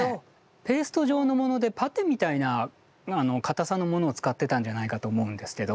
ペースト状のものでパテみたいなかたさのものを使ってたんじゃないかと思うんですけど。